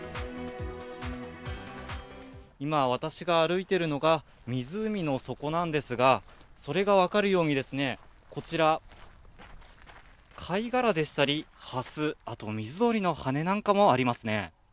今、私が歩いているのが湖の底なんですが、それが分かるようにですね、こちら、貝殻でしたり蓮、あと水鳥の羽根なんかもありますね。